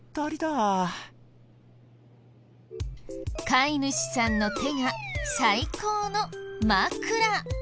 飼い主さんの手が最高の枕。